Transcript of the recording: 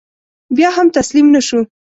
بیا هم تسلیم نه شو.